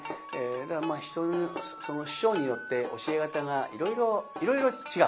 だからまあ師匠によって教え方がいろいろ違う。